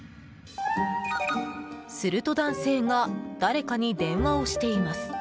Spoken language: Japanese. すると、男性が誰かに電話をしています。